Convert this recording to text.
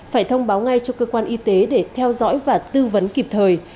phải thông báo ngay cho cơ quan y tế để theo dõi và tư vấn kịp thời